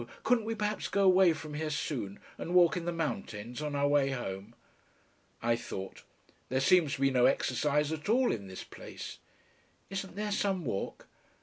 Couldn't we perhaps go away from here soon and walk in the mountains on our way home." I thought. "There seems to be no exercise at all in this place." "Isn't there some walk?"